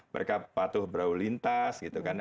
mereka patuh berau lintas gitu kan